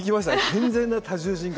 健全な多重人格。